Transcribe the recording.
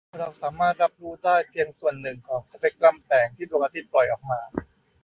เราสามารถรับรู้ได้เพียงส่วนหนึ่งของสเปกตรัมแสงที่ดวงอาทิตย์ปล่อยออกมา